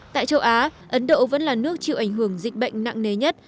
tại châu á ấn độ vẫn là nước chịu ảnh hưởng dịch bệnh nặng nề nhất